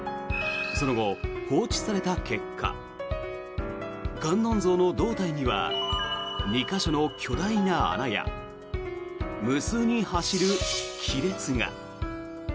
その後、放置された結果観音像の胴体には２か所の巨大な穴や無数に走る亀裂が。